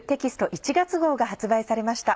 １月号が発売されました。